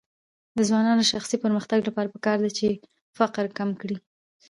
د ځوانانو د شخصي پرمختګ لپاره پکار ده چې فقر کم کړي.